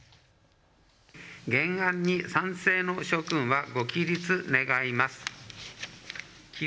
原案に賛成の諸君はご起立願います。